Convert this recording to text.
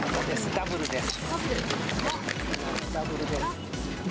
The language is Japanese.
ダブルです。